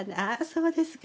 そうですか